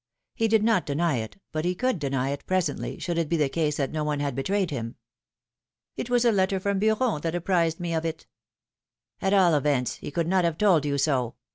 He did not deny it, but he could deny it, presently, should it be the case that no one had betrayed him. It was a letter from Beuron that apprised me of it.'^ ^^At all events, he could not have told you so